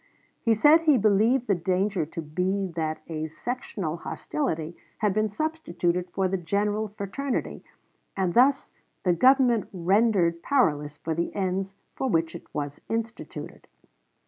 He said he believed the danger to be that a sectional hostility had been substituted for the general fraternity, and thus the Government rendered powerless for the ends for which it was instituted.